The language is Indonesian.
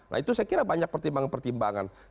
nah itu saya kira banyak pertimbangan pertimbangan